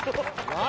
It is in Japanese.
何？